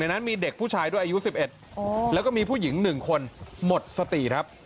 นั้นมีเด็กผู้ชายด้วยอายุ๑๑แล้วก็มีผู้หญิง๑คนหมดสติครับ